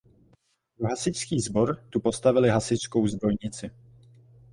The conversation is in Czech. Pro hasičský sbor tu postavili hasičskou zbrojnici.